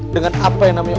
dengan apa yang namanya